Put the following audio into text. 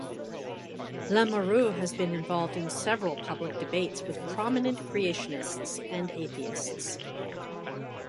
Lamoureux has been involved in several public debates with prominent creationists and atheists.